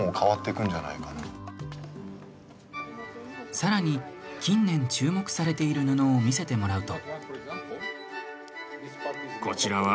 さらに、近年注目されている布を見せてもらうと。